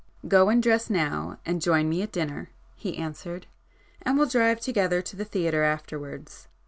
"Go and dress now, and join me at dinner,"—he answered; [p 82] "And we'll drive together to the theatre afterwards.